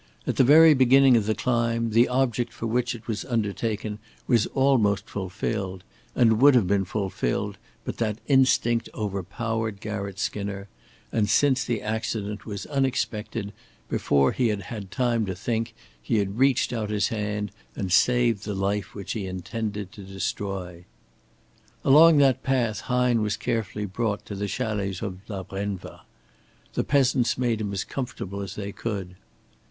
At the very beginning of the climb, the object for which it was undertaken was almost fulfilled, and would have been fulfilled but that instinct overpowered Garratt Skinner, and since the accident was unexpected, before he had had time to think he had reached out his hand and saved the life which he intended to destroy. Along that path Hine was carefully brought to the chalets of La Brenva. The peasants made him as comfortable as they could.